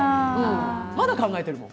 まだ考えているもん。